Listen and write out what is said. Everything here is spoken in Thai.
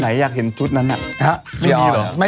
ไหนอยากเห็นชุดนั้นอะ